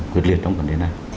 quyết liệt trong quản lý này